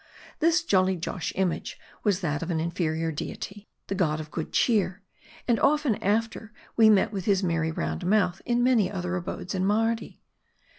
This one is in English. This jolly Josh image was that of an inferior deity, the god of Good Cheer, and often after, we met with his merry round mouth in many other abodes in Mardi.